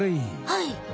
はい。